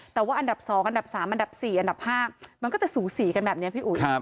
แต่ว่าอันดับ๒อันดับ๓อันดับ๔อันดับ๕มันก็จะสูสีกันแบบนี้พี่อุ๋ย